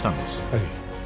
はい